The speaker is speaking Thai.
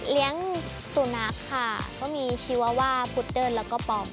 เลี้ยงสุนัขค่ะก็มีชีวว่าพุดเดิ้ลแล้วก็ปอม